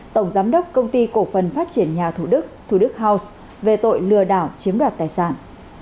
tổng giám đốc công ty cổ phần phát triển nhà thủ đức thủ đức house về tội lừa đảo chiếm đoạt tài sản